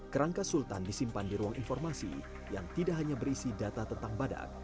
kerangka sultan disimpan di ruang informasi yang tidak hanya berisi data tentang badak